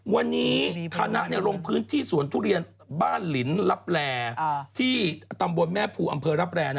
วันนี้คณะลงพื้นที่สวนทุเรียนบ้านหลินลับแลที่ตำบลแม่ภูอำเภอรับแร่